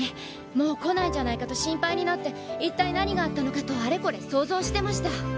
もう来ないんじゃないかと心配になって一体何があったのかとあれこれ想像してました。